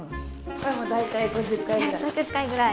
これも大体５０回ぐらい。